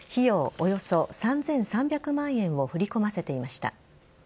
およそ３３００万円を振り込ませていました。